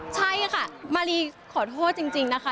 ใช่ค่ะมารีขอโทษจริงนะคะ